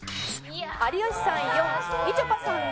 有吉さん４みちょぱさん